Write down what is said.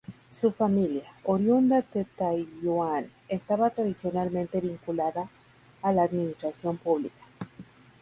Su familia, oriunda de Taiyuan estaba tradicionalmente vinculada a la Administración Pública.